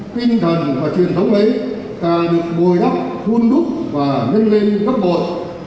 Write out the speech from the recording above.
tinh thần và truyền thống ấy càng được bồi đắp hôn đúc và nâng lên gấp bội